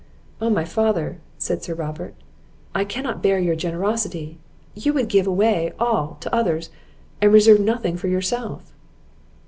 "Oh, my father!" said Sir Robert, "I cannot bear your generosity! you would give away all to others, and reserve nothing for yourself."